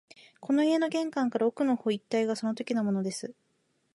この家の玄関から奥の方一帯がそのときのものです